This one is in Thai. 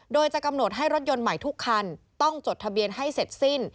โดยจะกำหนดให้รถยนต์ใหม่ทุกคันต้องจดทะเบียนให้เสร็จสิ้น